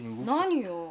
何よ？